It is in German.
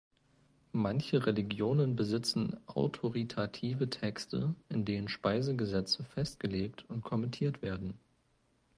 Manche Religionen besitzen autoritative Texte, in denen Speisegesetze festgelegt und kommentiert werden.